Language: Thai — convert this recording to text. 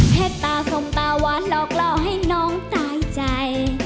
เผ็ดตาฟอมตาวาดหลอกเหล่าให้น้องตายใจ